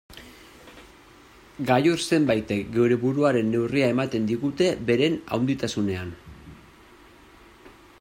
Gailur zenbaitek geure buruaren neurria ematen digute beren handitasunean.